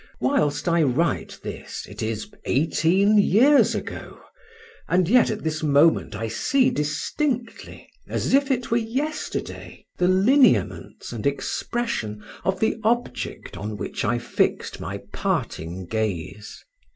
Whilst I write this it is eighteen years ago, and yet at this moment I see distinctly, as if it were yesterday, the lineaments and expression of the object on which I fixed my parting gaze.